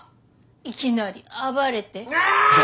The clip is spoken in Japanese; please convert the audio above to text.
いきなり暴れて。わ！